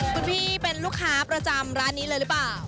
คุณพี่เป็นลูกค้าประจำร้านนี้เลยหรือเปล่า